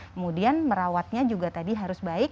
kemudian merawatnya juga tadi harus baik